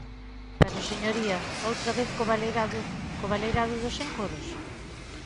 Pero, señoría, outra vez co baleirado, co baleirado dos encoros.